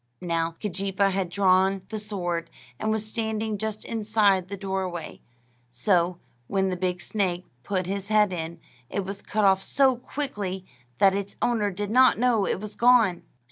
Now, Keejeepaa had drawn the sword, and was standing just inside the doorway; so, when the big snake put his head in, it was cut off so quickly that its owner did not know it was gone.